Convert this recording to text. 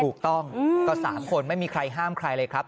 ถูกต้องก็๓คนไม่มีใครห้ามใครเลยครับ